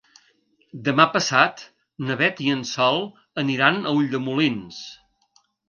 Demà passat na Beth i en Sol aniran a Ulldemolins.